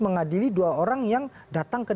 mengadili dua orang yang datang ke